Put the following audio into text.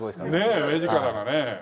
ねえ目力がね。